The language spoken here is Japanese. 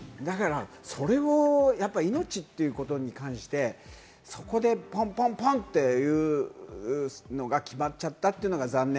それを命ということに関して、そこでポンポンというのが決まっちゃったというのが残念。